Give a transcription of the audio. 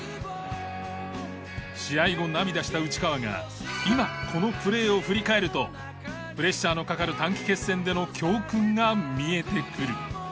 試合後涙した内川が今このプレーを振り返るとプレッシャーのかかる短期決戦での教訓が見えてくる。